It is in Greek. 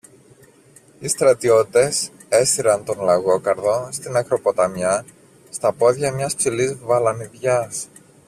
Οι στρατιώτες έσυραν τον Λαγόκαρδο στην ακροποταμιά, στα πόδια μιας ψηλής βαλανιδιάς.